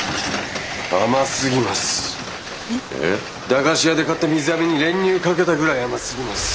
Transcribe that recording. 駄菓子屋で買った水あめに練乳かけたぐらい甘すぎます。